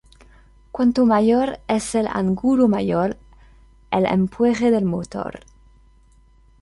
Cuanto mayor es el ángulo, mayor el empuje del motor.